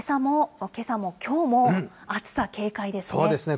けさも、きょうも暑さ警戒ですね。